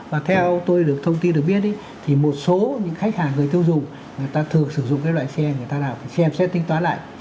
và theo tôi được thông tin được biết thì một số những khách hàng người tiêu dụng người ta thường sử dụng cái loại xe người ta làm xe tính toán lại